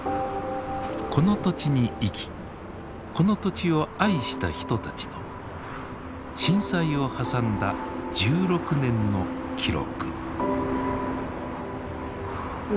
この土地に生きこの土地を愛した人たちの震災を挟んだ１６年の記録。